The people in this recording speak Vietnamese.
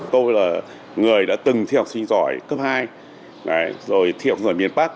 tôi là người đã từng thi học sinh giỏi cấp hai rồi thi học sinh giỏi miền bắc